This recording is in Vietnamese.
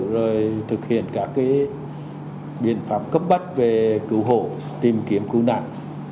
rồi thực hiện các cái biện pháp cấp bắt về cứu hộ tìm kiếm cứu nạn